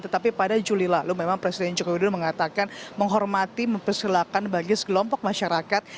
tetapi pada juli lalu memang presiden joko widodo mengatakan menghormati mempersilahkan bagi sekelompok masyarakat